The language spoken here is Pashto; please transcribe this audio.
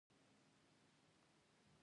د کولمو د زخم لپاره اسپغول وکاروئ